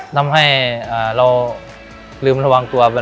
ทำให้เราลืมระวังตัวไป